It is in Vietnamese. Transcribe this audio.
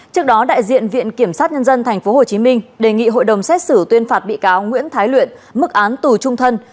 trước đó đại diện viện kiểm sát nhân dân tp hcm đề nghị hội đồng xét xử tuyên phạt bị cáo nguyễn thái luyện mức án tù trung thân